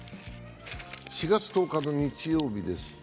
４月１０日の日曜日です。